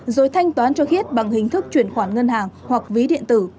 rồi thanh toán cho khiết bằng hình thức chuyển khoản ngân hàng hoặc ví điện tử